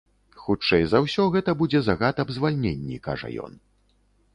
Хутчэй за ўсё гэта будзе загад аб звальненні, кажа ён.